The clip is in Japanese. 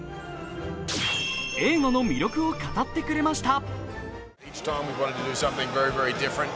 映画の魅力を語ってくれました。